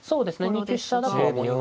２九飛車だとは思いますよね。